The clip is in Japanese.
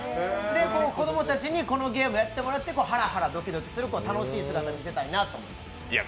子供たちにこのゲームやってもらって、ハラハラドキドキする姿を見せたいなと思います。